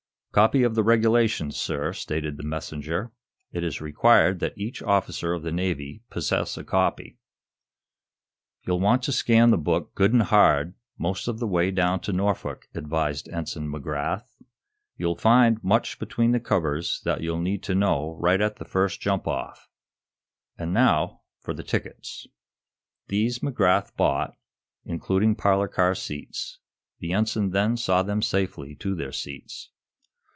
"Copy of the Regulations, sir" stated the messenger. "It is required that each officer of the Navy possess a copy." "You'll want to scan the book good and hard most of the way down to Norfolk," advised Ensign McGrath. "You'll find much between the covers that you'll need to know right at the first jump off. And now, for the tickets." These McGrath bought, including parlor car seats. The ensign then saw them safely to their seats.